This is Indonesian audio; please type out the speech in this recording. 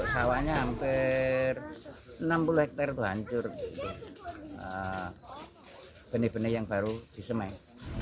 sawahnya hampir enam puluh hektare itu hancur benih benih yang baru disemen